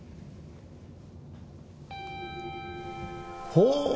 ほう！